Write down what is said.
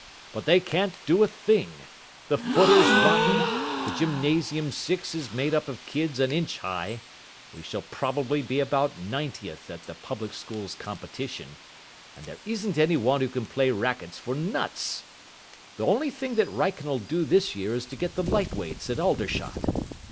But they can't do a thing. The footer's rotten, the gymnasium six is made up of kids an inch high we shall probably be about ninetieth at the Public Schools' Competition and there isn't any one who can play racquets for nuts. The only thing that Wrykyn'll do this year is to get the Light Weights at Aldershot.